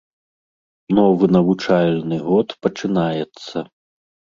Новы навучальны год пачынаецца.